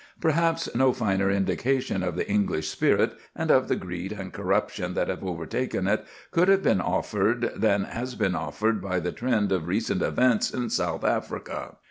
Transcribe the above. Perhaps no finer indication of the English spirit, and of the greed and corruption that have overtaken it, could have been offered than has been offered by the trend of recent events in South Africa.